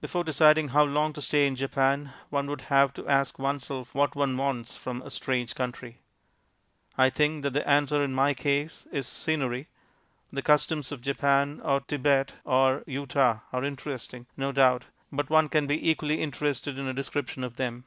Before deciding how long to stay in Japan, one would have to ask oneself what one wants from a strange country. I think that the answer in my case is "Scenery." The customs of Japan, or Thibet, or Utah are interesting, no doubt, but one can be equally interested in a description of them.